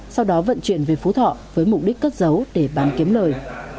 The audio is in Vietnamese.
sau đó vận chuyển về phú thọ với mục đích cất giấu để bán kiếm lời